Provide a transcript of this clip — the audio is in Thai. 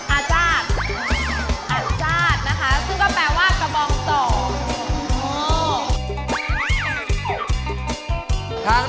อาจารย์อาจารย์